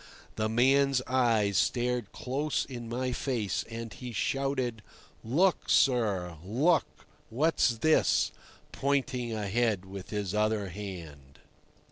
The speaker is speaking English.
The man's eyes stared close in my face, and he shouted, "Look, sir! look! What's this?" pointing ahead with his other hand.